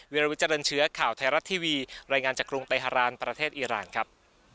วิลวิเจริญเชื้อข่าวไทยรัฐทีวีรายงานจากกรุงเตฮารานประเทศอีรานครับ